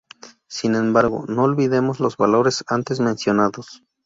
Sin embargo, no olvidemos los valores antes mencionados.